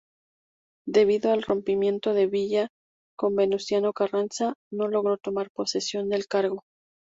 Debido al rompimiento de Villa con Venustiano Carranza, no logró tomar posesión del cargo.